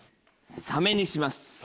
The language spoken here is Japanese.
サメにします。